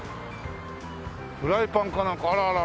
フライパンかなんかあらあら。